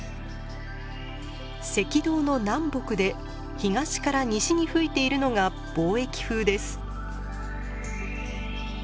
赤道の南北で東から西に吹いているのが貿易風です。